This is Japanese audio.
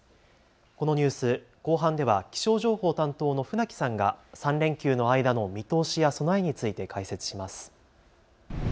このニュース後半では気象情報担当の船木さんが３連休の間の見通しや備えについて解説します。